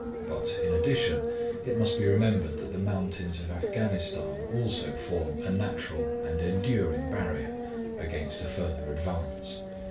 But, in addition, it must be remembered that the mountains of Afghanistan also form a natural and enduring barrier against a further advance.